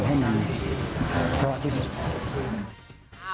ให้มันพอที่สุด